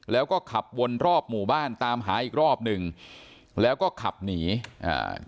แล้วก็ขับวนรอบหมู่บ้านตามหาอีกรอบหนึ่งแล้วก็ขับหนีอ่า